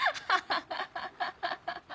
ハハハハ！